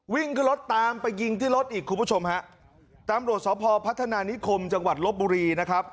วิ่งขึ้นรถตามไปยิงที่รถอีกคุณผู้ชมฮะตำรวจสพพัฒนานิคมจังหวัดลบบุรีนะครับ